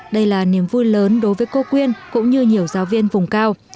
đây là niềm vui lớn đối với cô quyên cũng như nhiều giáo viên vùng cao